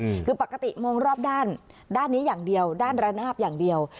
อืมคือปกติมองรอบด้านด้านนี้อย่างเดียวด้านระนาบอย่างเดียว